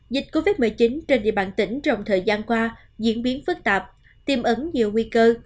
dịch covid một mươi chín trên địa bàn tỉnh trong thời gian qua diễn biến phức tạp tiêm ẩn nhiều nguy cơ